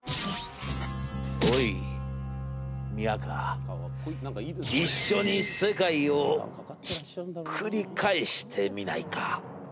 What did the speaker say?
「おい、宮河、一緒に世界をひっくり返してみないか！」